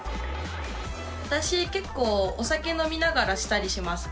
私結構お酒飲みながらしたりします。